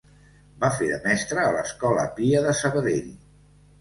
Va fer de mestre a l'Escola Pia de Sabadell.